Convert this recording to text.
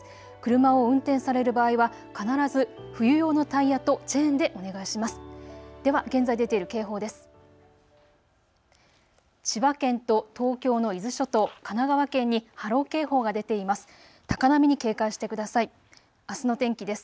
車を運転される場合は必ず冬用のタイヤとチェーンでお願いします。